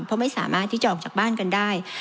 เพราะไม่สามารถที่จะออกจากบ้านกันได้